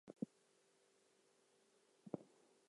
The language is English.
Jones considers this to be one of his favourite Led Zeppelin songs.